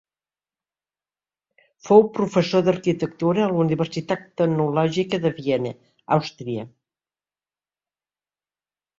Fou professor d'arquitectura a la Universitat Tecnològica de Viena, Àustria.